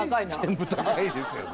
全部高いですよね。